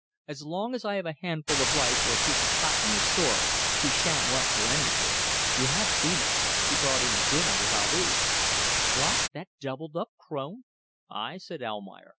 As long as I have a handful of rice or a piece of cotton in the store she sha'n't want for anything. You have seen her. She brought in the dinner with Ali." "What! That doubled up crone?" "Ah!" said Almayer.